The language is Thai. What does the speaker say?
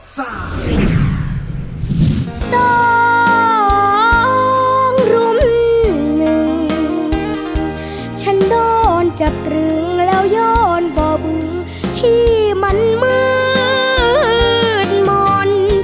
สองรุ่มหนึ่งฉันโดนจับตรึงแล้วย้อนบ่อบึงที่มันมืดมนต์